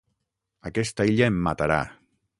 Aquesta illa em matarà.